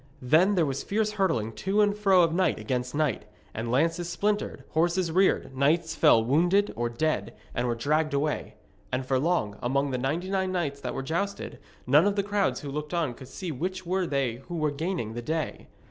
Then there was fierce hurtling to and fro of knight against knight, and lances splintered, horses reared, knights fell wounded or dead, and were dragged away. And for long, among the ninety nine knights that there jousted, none of the crowds who looked on could see which were they who were gaining the day.